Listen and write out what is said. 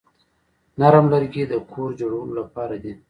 نرم لرګي د کور جوړولو لپاره دي.